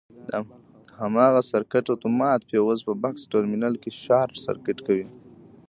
د هماغه سرکټ اتومات فیوز په بکس ټرمینل کې شارټ سرکټ کوي.